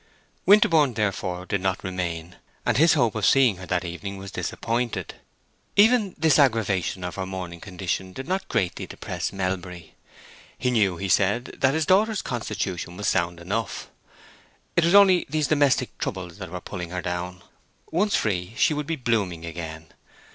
Winterborne, therefore, did not remain, and his hope of seeing her that evening was disappointed. Even this aggravation of her morning condition did not greatly depress Melbury. He knew, he said, that his daughter's constitution was sound enough. It was only these domestic troubles that were pulling her down. Once free she would be blooming again.